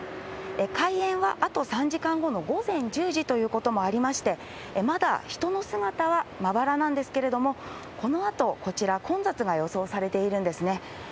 開園はあと３時間後の午前１０時ということもありまして、まだ人の姿はまばらなんですけれども、このあと、こちら、混雑が予想されているんですね。